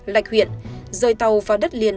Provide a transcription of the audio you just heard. lạch huyện rời tàu vào đất liền